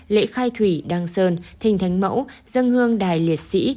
lễ khai thủy đăng sơn thình thánh mẫu dân hương đài liệt sĩ